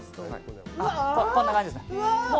こんな感じです。